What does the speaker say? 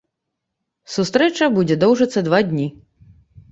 Сустрэча будзе доўжыцца два дні.